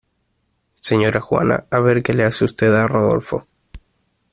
Señora juana a ver qué le hace usted a rodolfo.